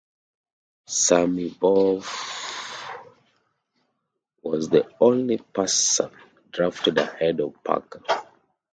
Sammy Baugh was the only passer drafted ahead of Parker.